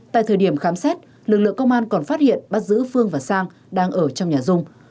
tại thời điểm khám xét lực lượng công an còn phát hiện bắt giữ phương và sang đang ở trong nhà dung